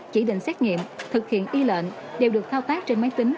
chỉ định xét nghiệm thực hiện y lệnh đều được thao tác trên máy tính